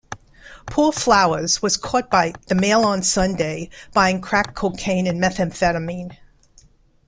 Paul Flowers, was caught by the "Mail on Sunday" buying crack cocaine and methamphetamine.